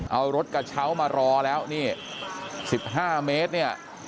เอารถกระเช้ามารอแล้วนี่๑๕เมตรเนี่ย